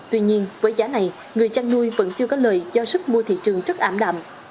tuy nhiên với giá này người chăn nuôi vẫn chưa có lợi do sức mua thị trường rất ảm đạm